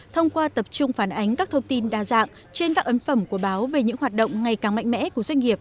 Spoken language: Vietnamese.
thông qua tập trung phản ánh các thông tin đa dạng trên các ấn phẩm của báo về những hoạt động ngày càng mạnh mẽ của doanh nghiệp